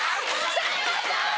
さんまさん！